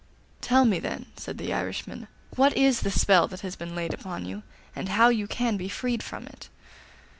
'Tell me, then,' said the Irishman, 'what is the spell that has been laid on you, and how you can be freed from it.